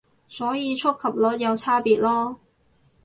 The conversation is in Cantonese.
所以觸及率有差別囉